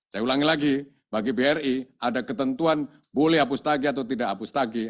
saya ulangi lagi bagi bri ada ketentuan boleh hapus tagih atau tidak hapus tagi